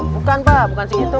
bukan pak bukan segitu